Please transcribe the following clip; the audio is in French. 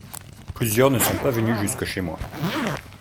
Plusieurs ne sont pas venus jusque chez moi.